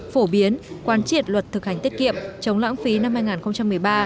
phổ biến quán triệt luật thực hành tiết kiệm chống lãng phí năm hai nghìn một mươi ba